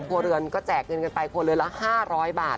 ครัวเรือนก็แจกเงินกันไปครัวเรือนละ๕๐๐บาท